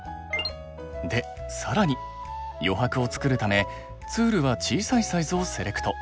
で更に余白をつくるためツールは小さいサイズをセレクト。